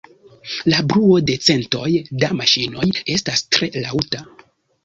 La bruo de centoj da maŝinoj estas tre laŭta.